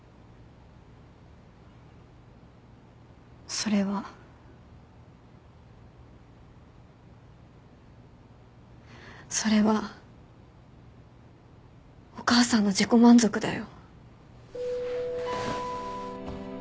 それは。それはお母さんの自己満足だよ。